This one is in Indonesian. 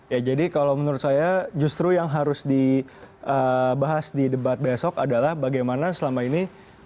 ya jadi kalau menurut saya justru yang harus dibahas di debat besok adalah bagaimana selama ini